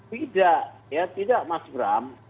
tidak ya tidak mas bram